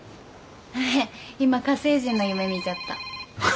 今火星人の夢見ちゃった。